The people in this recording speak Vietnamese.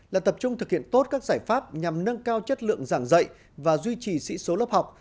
là tập trung thực hiện tốt các giải pháp nhằm nâng cao chất lượng giảng dạy và duy trì sĩ số lớp học